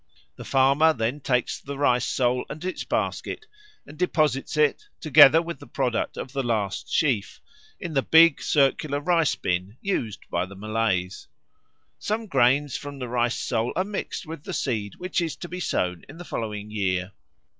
The farmer then takes the Rice soul and its basket and deposits it, together with the product of the last sheaf, in the big circular rice bin used by the Malays. Some grains from the Rice soul are mixed with the seed which is to be sown in the following year.